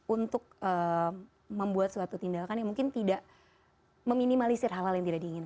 untuk membuat suatu tindakan yang mungkin tidak meminimalisir hal hal yang tidak diinginkan